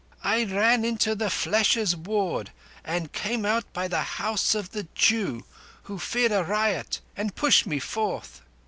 I ran into the Fleshers' Ward and came out by the House of the Jew, who feared a riot and pushed me forth.